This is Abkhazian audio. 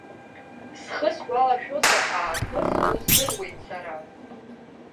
Схы сгәалашәозар аахыс уздыруеит сара.